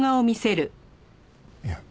いや。